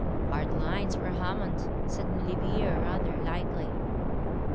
'Hard lines for Hammond,' said Maulevrier, rather lightly.